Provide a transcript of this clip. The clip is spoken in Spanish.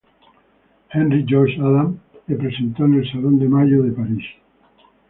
Henri-Georges Adam le presentó en el salón de mayo de París.